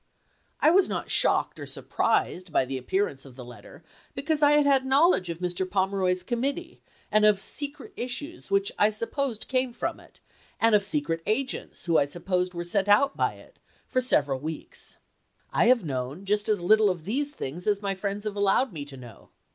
I was not shocked or surprised by the appear ance of the letter, because I had had knowledge of Mr. Pomeroy's committee, and of secret issues which I supposed came from it, and of secret agents who I supposed were sent out by it, for several weeks. I have known just as little of these things as my friends have allowed me to know.